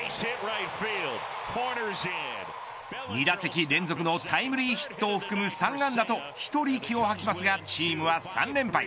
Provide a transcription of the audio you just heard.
２打席連続のタイムリーヒットを含む３安打と一人気をはきますがチームは３連敗。